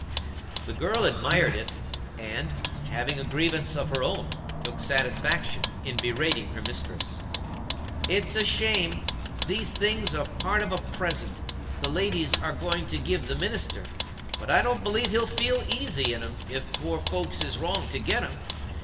The girl admired it, and, having a grievance of her own, took satisfaction in berating her mistress. "It's a shame! These things are part of a present, the ladies are going to give the minister; but I don't believe he'll feel easy in 'em if poor folks is wronged to get 'em.